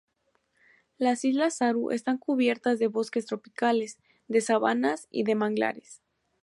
Las islas Aru están cubiertas de bosques tropicales, de sabanas y de manglares.